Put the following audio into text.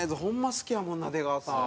好きやもんな出川さん。